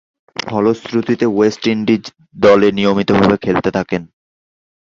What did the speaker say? ফলশ্রুতিতে West Indies দলে নিয়মিতভাবে খেলতে থাকেন।